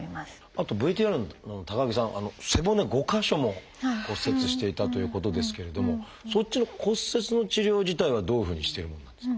あとＶＴＲの高木さん背骨５か所も骨折していたということですけれどもそっちの骨折の治療自体はどういうふうにしてるものなんですか？